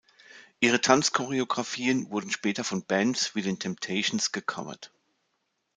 Ihre Tanz-Choreografien wurden später von Bands wie den Temptations gecovert.